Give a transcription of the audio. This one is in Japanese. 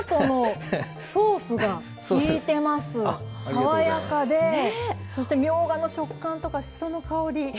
爽やかでそしてみょうがの食感とかしその香り。